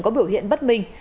có biểu hiện bất minh